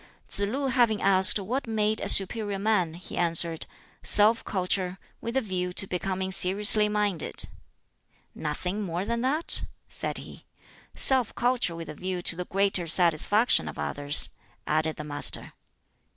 Tsz lu having asked what made a "superior man," he answered, "Self culture, with a view to becoming seriously minded." "Nothing more than that?" said he. "Self culture with a view to the greater satisfaction of others," added the Master.